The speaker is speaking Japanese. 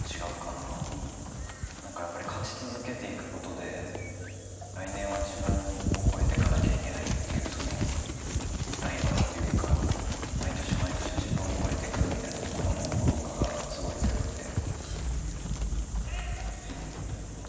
なんか、やっぱり勝ち続けていくことで来年は自分を超えてかなきゃいけないっていうそのライバルっていうよりかは毎年毎年自分を超えてくみたいなところの孤独がすごい強くて。